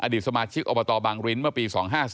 สมาชิกอบตบางริ้นเมื่อปี๒๕๔